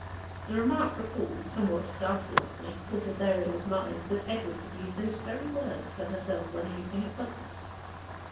The remark recalled, somewhat startlingly, to Cytherea's mind, that Edward had used those very words to herself one evening at Budmouth.